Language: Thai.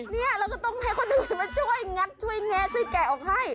เนี่ยเราก็ต้องให้คนอื่นมาช่วยงัดช่วยแงะช่วยแกะออกให้